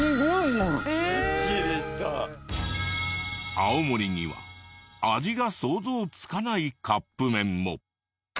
青森には味が想像つかないカップ麺も。